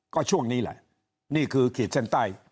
ก็ช่วงนี้แหละนี่คือขีดเส้นใต้